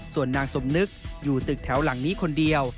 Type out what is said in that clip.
ส่วนนางสมนึกอยู่ตึกแถวหลังนี้คนเดียว